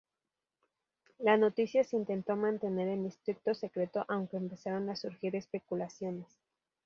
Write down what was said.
La noticia se intentó mantener en estricto secreto, aunque empezaron a surgir especulaciones.